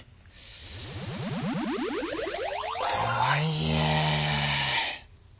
とはいえ。